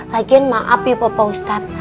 lagian maaf ya opa ustadz